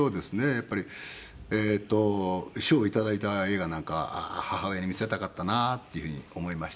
やっぱり賞を頂いた映画なんかは母親に見せたかったなっていうふうに思いました。